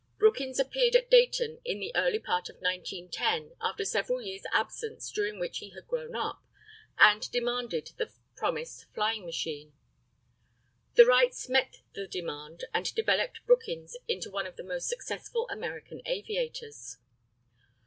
Brookins appeared at Dayton in the early part of 1910, after several years' absence, during which he had grown up, and demanded the promised flying machine. The Wrights met the demand, and developed Brookins into one of the most successful American aviators.